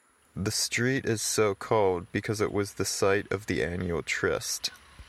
The street is so called because it was the site of the annual Tryst.